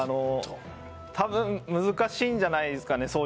たぶん難しいんじゃないですかね。